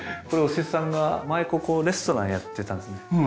これお施主さんが前ここレストランやってたんですよね。